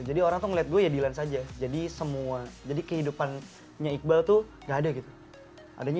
jadi orang ngeliat gue ya dilan saja jadi semua jadi kehidupannya iqbal tuh nggak ada gitu adanya